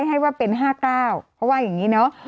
ให้ว่าเป็น๕เก้าเพราะว่าอย่างนี้เนอะ